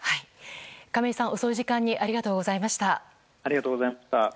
亀井さん、遅い時間にありがとうございました。